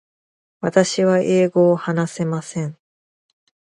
私は英語を話せません。